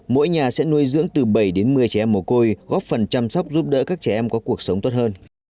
mỗi nhà sẽ nuôi dưỡng từ bảy đến một mươi trẻ em mồ côi góp phần chăm sóc giúp đỡ các trẻ em có cuộc sống tốt hơn